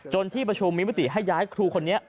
จนที่ประชูมมีวิธีให้ย้ายครูคนนี้